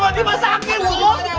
wah dia masakin